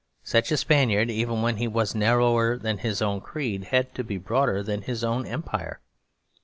Such a Spaniard, even when he was narrower than his own creed, had to be broader than his own empire.